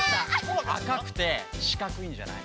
あかくてしかくいんじゃない？